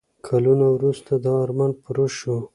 کلونه وروسته دا ارمان پوره شو.